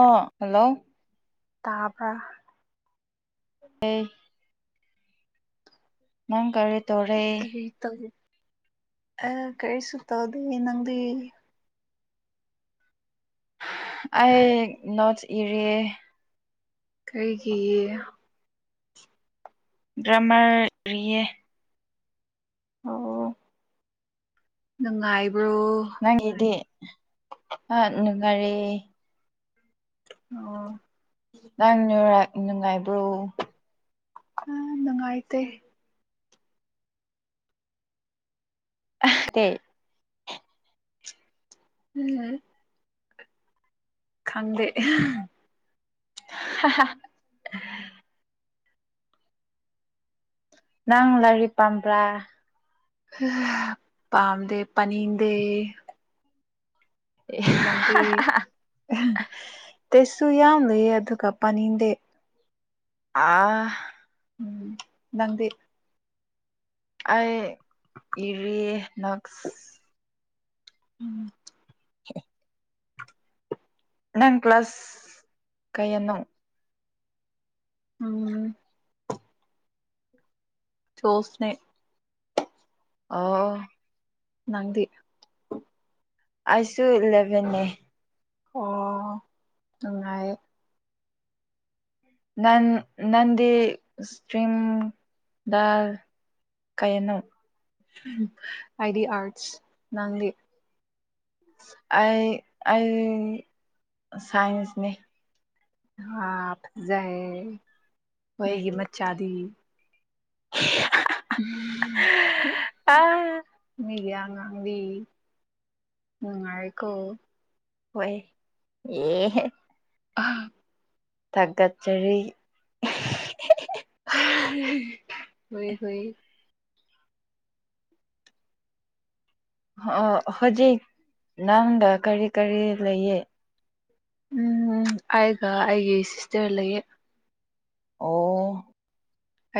ꯑꯣ ꯍꯜꯂꯣ ꯇꯥꯕꯔꯥ ꯑꯥ ꯅꯪ ꯀꯔꯤ ꯇꯧꯔꯦ꯫ ꯀꯔꯤ ꯑ ꯀꯩꯁꯨ ꯇꯧꯗꯦ ꯅꯪꯗꯤ꯫ ꯑꯩ ꯅꯣꯠꯁ ꯏꯔꯤꯌꯦ꯫ ꯀꯩꯒꯤ꯫ ꯗꯔꯤꯝꯌꯦ꯫ ꯑꯣ ꯅꯨꯡꯉꯥꯏꯕ꯭ꯔꯣ ꯅꯪꯒꯤꯗꯤ ꯅꯨꯡꯉꯥꯏꯔꯤ꯫ ꯑꯣ ꯅꯪ ꯅꯨꯡꯉꯥꯏꯕ꯭ꯔꯣ ꯑ ꯅꯨꯡꯉꯥꯏꯇꯦ꯫ [unintelligible] [inaudible] ꯈꯪꯗꯦ꯫ ꯍ ꯍ ꯅꯪ ꯂꯥꯏꯔꯤ ꯄꯥꯝꯕ꯭ꯔꯥ ꯄꯥꯝꯗꯦ ꯄꯥꯅꯤꯡꯗꯦ꯫ ꯅꯪꯗꯤ ꯇꯦꯁꯁꯨ ꯌꯥꯝ ꯂꯩꯌꯦ ꯑꯗꯨꯒ ꯄꯥꯅꯤꯡꯗꯦ꯫ ꯑꯥ ꯅꯪꯗꯤ꯫ ꯑꯩ ꯏꯔꯤꯌꯦ ꯅꯁ ꯎꯝ [inaudible] ꯅꯪ ꯀ꯭ꯂꯥꯁ ꯀꯌꯥꯅꯣ꯫ ꯎꯝ ꯇꯣꯜꯐꯁꯅꯦ꯫ ꯑꯣ ꯅꯪꯗꯤ꯫ ꯑꯩꯁꯨ ꯏꯠꯂꯦꯕꯦꯟꯅꯦ꯫ ꯑꯣ ꯅꯨꯡꯉꯥꯏ ꯑꯦ꯫ ꯅꯪ ꯅꯟꯗꯤ ꯏꯁꯇ꯭ꯔꯤꯝ ꯗ ꯀꯌꯥꯅꯣ? ꯑꯥꯏꯗꯤ ꯑꯥꯔꯠꯁ ꯅꯪꯗꯤ꯫ ꯑꯩ ꯑꯩ ꯁꯥꯏꯟꯁꯅꯦ꯫ ꯍꯥ ꯐꯖꯩ ꯍꯣꯏ ꯃꯤꯒꯤ ꯃꯆꯥꯗꯤ꯫ [unintelligible] ꯑ ꯃꯤꯒ ꯉꯥꯡꯗꯤ ꯅꯨꯡꯅꯥꯏꯔꯤ ꯀꯣ꯫ ꯍꯣꯏ ꯑꯦ ꯑꯍ ꯊꯥꯒꯠꯆꯔꯤ꯫ ꯍ ꯍ ꯑꯣ ꯍꯧꯖꯤꯛ ꯅꯪꯒ ꯀꯔꯤ ꯀꯔꯤ ꯂꯩꯌꯦ꯫ ꯎꯝ ꯑꯩꯒ ꯑꯩꯒꯤ ꯁꯤꯁꯇꯔ ꯂꯩꯌꯦ꯫ ꯑꯣ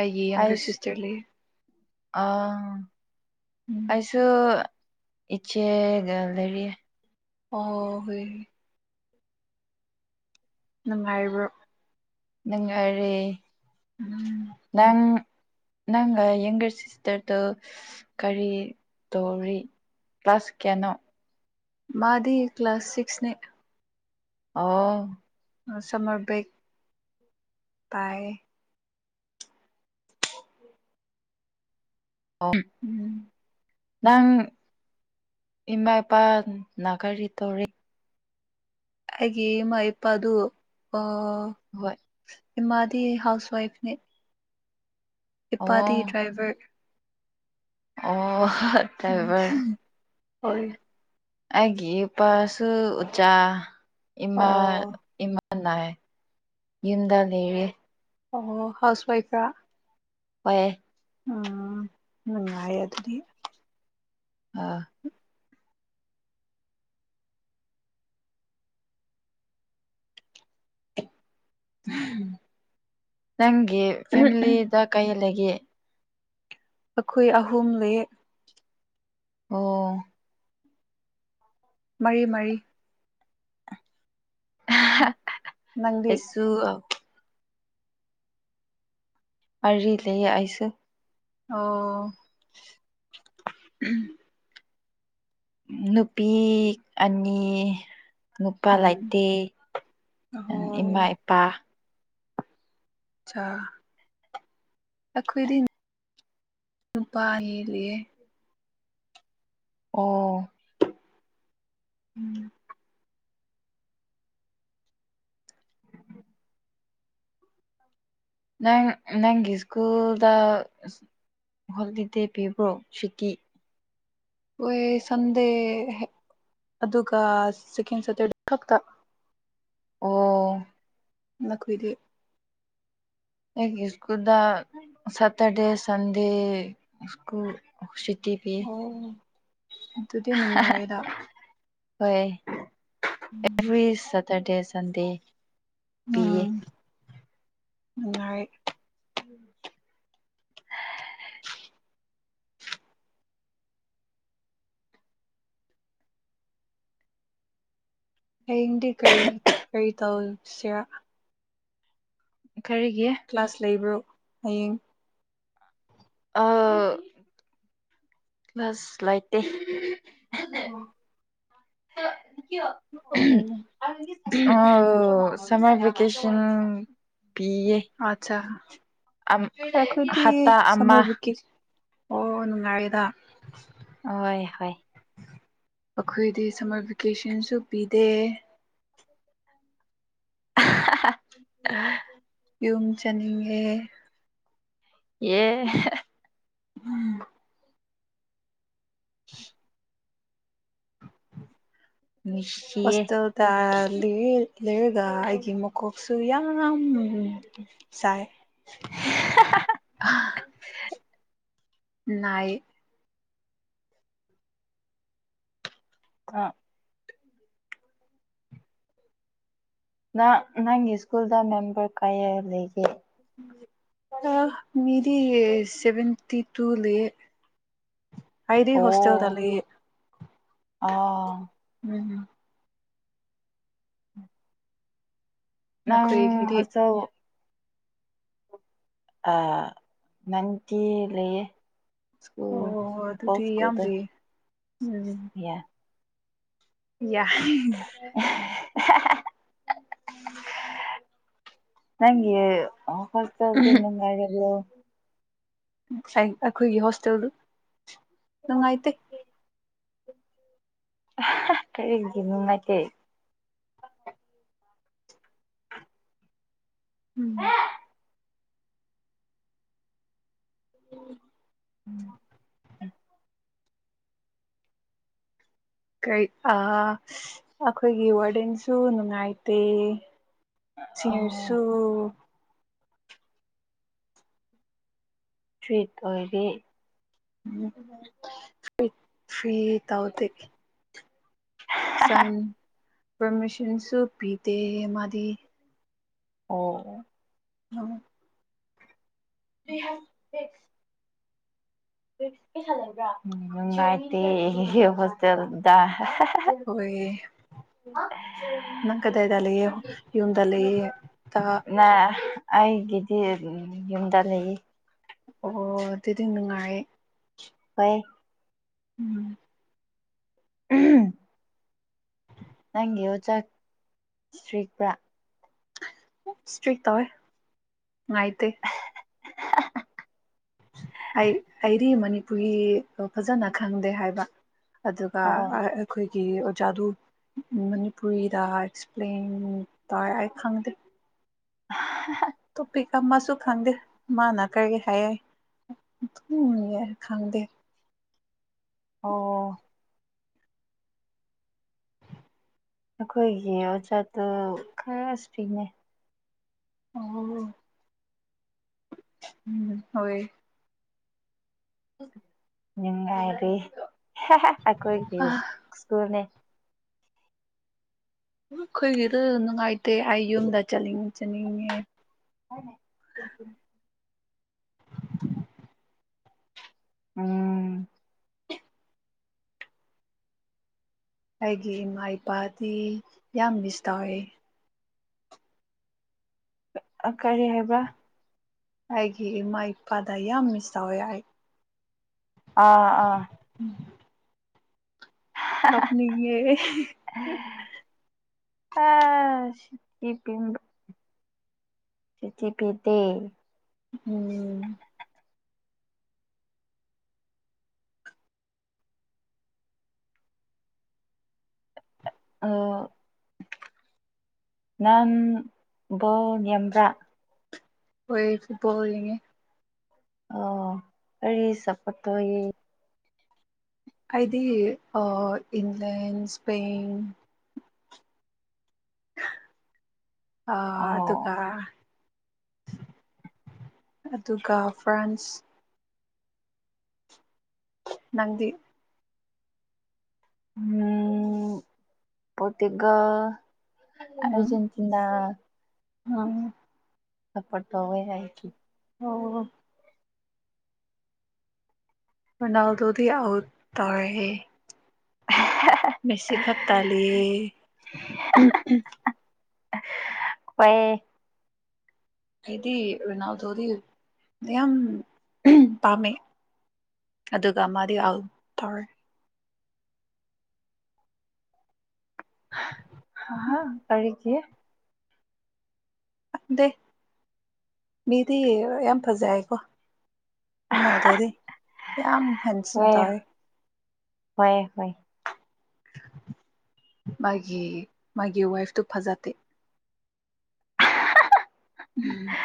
ꯑꯩꯒꯤ ꯌꯪꯒꯔ ꯁꯤꯁꯇꯔꯂꯤ ꯑ ꯎꯝ ꯑꯩꯁꯨ ꯏꯆꯦꯒ ꯂꯩꯔꯤ ꯑꯣ ꯍꯣꯏ ꯅꯨꯡꯉꯥꯏꯕ꯭ꯔꯣ ꯪ ꯑꯔꯤ ꯎꯝ ꯅꯪ ꯅꯪꯒ ꯌꯦꯡꯒꯔ ꯁꯤꯁꯇꯔꯗ ꯀꯔꯤ ꯇꯧꯔꯤ ꯀ꯭ꯂ꯭ꯂꯥꯁ ꯀꯩꯅꯣ ꯃꯥꯗꯤ ꯀ꯭ꯂꯥꯁ ꯁꯤꯛꯁꯅꯤ ꯑ ꯁꯝꯃꯔ ꯕ꯭ꯔꯦꯛ ꯇꯥꯏ ꯑꯣ ꯎꯝ ꯅꯪ ꯏꯃꯥ ꯏꯄꯥ ꯅꯥꯒꯥꯔꯤ ꯇꯧꯔꯤ ꯑꯩꯒꯤꯦꯃ ꯏꯄꯥ ꯑꯗꯨ ꯑ ꯍꯣꯏ ꯃꯥꯗꯤ ꯍꯥꯎꯁ ꯋꯥꯏꯐꯅꯦ ꯑꯣ ꯏꯄꯥꯗꯤ ꯗ꯭ꯔꯥꯏꯕꯔ ꯑꯣ ꯎꯝ ꯇꯕ ꯍꯣꯏ ꯍꯥꯏꯦꯄꯥꯁꯨ ꯎ ꯎꯆꯆ ꯏꯃꯥ ꯑꯣ ꯏꯃ ꯌꯨꯝꯗ ꯂꯩꯔꯤ ꯑꯣ ꯍꯥꯎꯁ ꯋꯥꯏꯐ ꯍꯣꯏ ꯎꯝ ꯅꯨꯡꯉꯥꯏ ꯑꯗꯨꯗꯤ ꯑꯣ ꯎꯝ ꯅꯪꯒꯤ ꯐꯦꯃꯤꯂꯤꯗ ꯀꯩꯗꯒꯤ ꯑꯩꯈꯣꯏ ꯑꯍꯨꯝ ꯂꯩ ꯑꯣ ꯃꯔꯤ ꯃꯔꯤ ꯅꯪꯗꯤ ꯑꯁꯨꯁꯨ ꯑꯔꯤ ꯂꯩ ꯑꯩꯁꯨꯦ ꯑꯣ [unintelligible] ꯎꯝ ꯅꯨꯄꯤ ꯑꯅꯤ ꯅꯨꯄꯥ ꯎꯝ ꯂꯩꯥꯏꯇꯦ ꯑꯍꯣ ꯏꯃꯥ ꯏꯄꯥ ꯑꯈꯣꯏꯗꯤ ꯅꯨꯄꯥ ꯑꯣ ꯎꯝ ꯅꯪ ꯅꯪꯒꯤ ꯁ꯭ꯀꯨꯜꯗ ꯍꯣꯂꯤꯗꯦ ꯄꯤꯕ꯭ꯔꯣ ꯁꯨꯇꯤ ꯍ ꯁꯟꯗꯦ ꯑꯗꯨꯒ ꯁꯀꯦꯟꯇ ꯍꯛꯇ ꯑꯣ ꯅꯈꯣꯏꯗꯤ ꯂꯩ ꯁꯀꯨꯜꯗ ꯁꯇꯔꯗꯦ ꯁꯟꯗꯦ ꯁꯀꯨꯜ ꯁꯇ ꯄꯤ ꯑꯣ ꯑꯗꯨꯗꯤ ꯅꯨꯡꯉꯥꯏꯔꯦꯗ ꯍꯣꯏ ꯎꯝ ꯑꯦꯚ꯭ꯔꯤ ꯁꯇꯔꯗꯦ ꯁꯟꯗꯦ ꯄꯤꯌꯦ ꯎꯝ ꯅꯨꯡꯉꯥꯏ ꯎꯝ ꯍꯌꯦꯡꯗꯤ ꯀꯔꯤ ꯀꯔꯤ ꯇꯧꯁꯦ ꯀꯔꯤꯒꯤ ꯀ꯭ꯂꯥꯁ ꯂꯩꯕ꯭ꯔꯣ ꯍꯌꯦꯡ ꯑ ꯂꯁ ꯂꯥꯏꯇ ꯎꯝ ꯑ ꯁꯃꯔ ꯚꯦꯀꯦꯁꯟ ꯄꯤꯌꯦ ꯑꯆꯥ ꯑꯝ ꯄꯈꯗꯤ ꯍꯞꯇꯥ ꯁ ꯑꯃ ꯑꯣ ꯅꯨꯡꯉꯥꯏꯔꯤꯗ ꯍꯣꯏ ꯍꯣꯏ ꯑꯩꯈꯣꯏꯗꯤ ꯁꯝꯃꯔ ꯚꯦꯀꯦꯁꯟꯁꯨ ꯄꯤꯗꯦ ꯎ [unintelligible] ꯌꯨꯝ ꯆꯅꯤꯡꯉꯦ ꯌꯦ ꯎꯝ ꯁ ꯇꯜꯂꯤ ꯂꯩꯔꯒ ꯑꯩꯒꯤ ꯃꯀꯣꯛꯁꯨ ꯌꯥꯝ ꯌꯥꯝ ꯆꯥꯏ ꯑ ꯅꯥꯏ ꯑ ꯅ ꯅꯪꯒꯤ ꯁ꯭ꯀꯨꯜꯗ ꯃꯦꯝꯕꯔ ꯀꯌꯥ ꯂꯩꯒꯦ ꯃꯦꯔꯤ ꯁꯦꯚꯦꯟꯇꯤ ꯇꯨ ꯂꯩ ꯍꯗꯤ ꯍꯣꯁꯇꯦꯜꯗ ꯂꯩ ꯑꯣ ꯎꯝꯝ ꯅꯪ ꯅꯈꯣꯏꯒꯤꯗꯤ ꯍꯁ ꯑ ꯅꯪꯀ ꯂꯩꯌꯦꯦ ꯑꯣ ꯁꯨ ꯑꯗꯨꯗꯤ ꯌꯥꯝ ꯍꯐꯀꯗ ꯂꯩꯌꯦ ꯎꯝ ꯌꯥ ꯌꯥꯏ [unintelligible] ꯅꯪꯦ ꯍꯁꯁꯨ ꯅꯪ ꯍꯥꯏꯗꯣ ꯉ ꯑꯩꯈꯣꯏꯒꯤ ꯍꯣꯁꯇꯦꯜꯗꯨ ꯅꯨꯡꯉꯥꯏꯇꯦ ꯀꯔꯤꯒꯤ ꯅꯨꯡꯉꯥꯏꯇꯦ ꯎꯝ ꯎ ꯎꯝ ꯎ ꯀꯩ ꯑꯩꯈꯣꯏꯒꯤ ꯋꯥꯔꯗꯦꯟꯁꯨ ꯅꯨꯡꯉꯥꯏꯇꯦ ꯑꯣ ꯁꯤꯅꯤꯔꯁꯨ ꯇ꯭ꯔꯤꯠ ꯑꯣꯏꯔꯤ ꯎꯝ ꯐꯤ ꯐꯤ ꯇꯥꯎꯗꯤ ꯁꯟ ꯄꯔꯃꯤꯁꯟꯁꯨ ꯄꯤꯗ ꯃꯥꯗꯤ ꯑꯣ ꯎꯝ ꯁ ꯎꯝ ꯉꯥꯏꯇ ꯍꯣꯁꯇꯦꯜꯗ ꯍꯣꯏ ꯅꯪ ꯀꯗꯩꯗ ꯂꯩꯦ ꯌꯎꯟꯗ ꯂꯩꯑꯦ ꯇ ꯅ ꯑꯩꯒꯤꯗꯤ ꯌꯨꯝꯗ ꯂꯩꯌꯦ ꯑꯣ ꯑꯗꯨꯗꯤ ꯅꯨꯡꯉꯥꯏ ꯍꯣꯏ ꯎꯝ ꯎꯝ ꯅꯪꯒꯤ ꯑꯣꯖꯥꯛ ꯇ꯭ꯔꯤꯛꯄ꯭ꯔꯥ ꯁꯇ꯭ꯔꯤꯛ ꯇꯋꯥꯦ ꯑꯥꯏꯇ [unintelligible] ꯑꯩ ꯑꯩꯗꯤ ꯃꯅꯤꯄꯨꯔꯤ ꯐꯖꯅ ꯈꯪꯗꯦ ꯍꯥꯏꯕ ꯑꯗꯨꯒ ꯑꯣ ꯑꯩꯈꯣꯏꯒꯤ ꯑꯣꯖꯥꯗꯨ ꯃꯅꯤꯄꯨꯔꯤꯗ ꯑꯦꯛꯁꯄ꯭ꯂꯦꯟ ꯇꯥꯏ ꯑꯩ ꯈꯪꯗꯦ [unintelligible] ꯇꯣ ꯄꯤ ꯀ ꯑꯃ ꯃꯥꯁꯨ ꯈꯪꯗꯦ ꯃꯥꯅꯥ ꯀꯔꯤꯒꯤ ꯍꯥꯏꯌꯏ ꯌꯥ ꯈꯪꯗꯦ ꯑꯣ ꯑꯩꯈꯣꯏꯒꯤ ꯑꯣꯖꯥꯠꯇꯨ ꯈꯔꯁꯨ ꯄꯤꯅꯩ ꯑꯣ ꯎꯝ ꯍꯣꯏ ꯅꯨꯡꯉꯥꯏꯔꯤ ꯑꯩꯈꯣꯏ ꯑ ꯁ꯭ꯀꯨꯜꯅꯦ ꯑꯩꯈꯣꯏꯒꯤꯗ ꯅꯨꯡꯉꯥꯏꯇꯦ ꯑꯩ ꯌꯨꯝꯗ ꯆꯠꯅꯤꯡꯉ ꯆꯠꯅꯤꯡꯉꯦ ꯍꯅꯦ ꯎꯝ ꯑꯩꯒꯤ ꯏꯃꯥ ꯏꯄꯥꯗꯤ ꯌꯥꯝ ꯃꯤꯁ ꯇꯧꯋꯦ ꯀꯔꯤ ꯍꯥꯏꯕ ꯑꯩꯒꯤ ꯏꯃꯥ ꯏꯄꯥꯗ ꯌꯥꯝ ꯃꯤꯁ ꯇꯧꯋꯦ ꯑꯩ ꯑꯥ ꯑꯥ ꯎꯝ ꯀꯞꯅꯤꯡꯉꯦ [unintelligible] ꯆ ꯆꯤ ꯄꯤꯗꯤ ꯎꯝ ꯅꯪꯕ ꯅꯦꯝꯕꯥ ꯑꯣꯏꯣꯏꯁꯤꯕꯣꯅꯤꯡꯦ ꯑꯣ ꯀꯔꯤ ꯁꯄꯣꯔꯠ ꯇꯧꯏ ꯑꯩꯗꯤ ꯏꯪꯂ꯭ꯂꯟ ꯁꯄꯩꯟ ꯑ ꯑꯣ ꯑꯗꯨꯒ ꯑꯗꯨꯒ ꯐ꯭ꯔꯥꯟꯁ ꯅꯪ ꯎꯝ ꯄꯇꯒ ꯑꯔꯖꯦꯟꯇꯤꯅꯥ ꯑ ꯊꯄꯠ ꯇꯧ ꯑꯣꯏ ꯌꯥꯁꯤ ꯑꯣ ꯃꯅ ꯑꯗꯨꯗꯤ ꯑꯥꯎ ꯇꯔ ꯃꯦꯁꯤ ꯈꯛꯇꯥ ꯂꯩ ꯍꯣꯏꯌꯦ ꯑꯩꯗꯤ ꯔꯣꯅꯥꯜꯗꯣꯗꯤ ꯌꯥꯝ ꯄꯥꯝꯃꯦ ꯑꯗꯨꯒ ꯃꯥꯗꯤ ꯑꯥꯎꯠ ꯗꯣꯔ ꯍ ꯍꯥ ꯀꯔꯤ ꯌꯦ ꯗꯦ ꯃꯤꯗꯤ ꯌꯥꯝ ꯐꯖꯩ ꯀꯣ ꯀꯅꯥꯗꯣꯔꯤ ꯌꯥꯝ ꯐꯦꯟꯁꯤꯟ ꯍꯣꯏ ꯇꯧꯋꯦ ꯍꯣꯏ ꯍꯣꯏ ꯃꯥꯒꯤ ꯃꯥꯒꯤ ꯋꯥꯏꯐ ꯇꯨ ꯐꯖꯗꯦ ꯎꯝ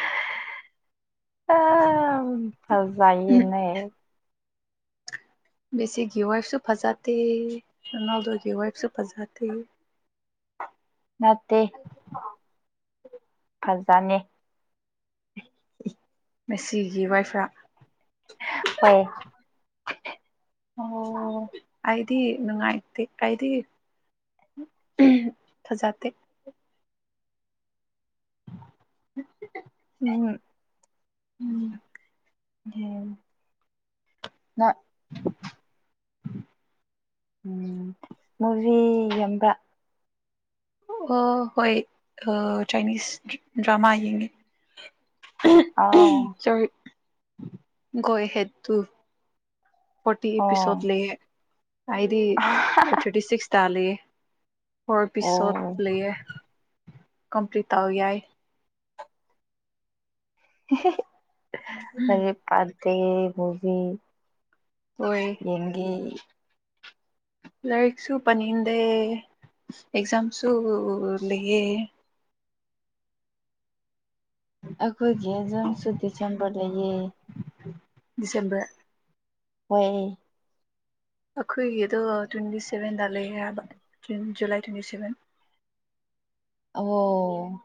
ꯑ ꯐꯥꯖꯥꯏꯌꯦꯅꯦ ꯃꯦꯁꯤꯒꯤ ꯋꯥꯏꯐꯁꯨ ꯐꯖꯥꯗꯦ ꯔꯣꯅꯥꯜꯗꯣ ꯒꯤ ꯋꯥꯏꯐꯁꯨ ꯐꯖꯗꯦ ꯅꯠꯇꯦ ꯐꯖꯅꯤ ꯃꯦꯁꯤꯒꯤ ꯋꯥꯏꯐꯔ ꯍꯣꯏ ꯑꯣ ꯑꯩꯗꯤ ꯅꯨꯡꯉꯥꯏꯇꯦ ꯑꯩꯗꯤ ꯐꯖꯗꯦ [inaudible] ꯎꯝ ꯎꯝ [unintelligible] [inaudible] ꯎꯝ ꯃꯣꯖꯤ ꯌꯨꯝꯗ ꯑꯣ ꯍꯣꯏ ꯑꯥ ꯆꯥꯏꯅꯤꯁ ꯗ꯭ꯔꯃꯥ ꯌꯦꯡꯉꯤ ꯑꯥꯎ ꯒꯣ ꯑꯦꯍꯦꯗ ꯇꯨ ꯐꯣꯔꯇꯤ ꯏꯄꯤꯁꯣꯠ ꯑꯣ ꯂꯩꯌꯦ ꯑꯩꯗꯤ ꯊꯥꯔꯇꯤ ꯁꯤꯛꯁ ꯇꯥꯜꯂꯤꯌꯦ ꯐꯣꯔ ꯑꯣ ꯏꯄꯤꯁꯣꯗ ꯂꯩꯌꯦ ꯀꯝꯄ꯭ꯂꯤꯠ ꯇꯧ ꯌꯥꯏ ꯂꯥꯏꯔꯤꯛ ꯄꯥꯗꯦ ꯃꯨꯚꯤ ꯍꯣꯏ ꯌꯦꯡꯒꯦ ꯂꯥꯏꯔꯤꯛꯁꯨ ꯄꯥꯅꯤꯡꯗꯦ ꯑꯦꯛꯖꯥꯝꯁꯨ ꯂꯩꯌꯦ ꯑꯈꯣꯏꯒꯤ ꯑꯦꯖꯥꯝꯁꯨ ꯗꯤꯁꯦꯝꯕꯔ ꯂꯩꯌꯦ ꯗꯤꯁꯦꯝꯕꯔ ꯍꯣꯏ ꯑꯈꯣꯏꯒꯤꯗꯣ ꯇ꯭ꯋꯦꯟꯇꯤ ꯁꯚꯦꯟꯗ ꯂꯩꯌꯦ ꯍꯥꯏꯕ ꯖꯨꯟ ꯖꯨꯂꯥꯏ ꯇ꯭ꯋꯦꯟꯇꯤ ꯁꯚꯦꯟ ꯑꯣ